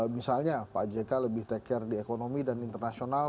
misalnya pak jk lebih take care di ekonomi dan internasional